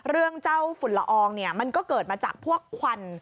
เรื่องเจ้าฝุ่นละอองเนี่ยมันก็เกิดมาจากพวกควัน